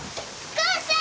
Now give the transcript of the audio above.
母さん！